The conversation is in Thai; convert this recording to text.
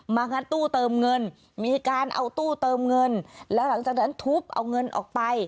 งัดตู้เติมเงินมีการเอาตู้เติมเงินแล้วหลังจากนั้นทุบเอาเงินออกไป